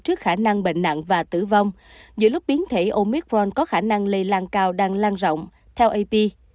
trước khả năng bệnh nặng và tử vong giữa lúc biến thể omicron có khả năng lây lan cao đang lan rộng theo ap